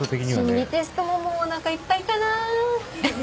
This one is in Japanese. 心理テストももうおなかいっぱいかな。ですね。